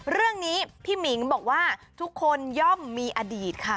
เรื่องนี้พี่หมิงบอกว่าทุกคนย่อมมีอดีตค่ะ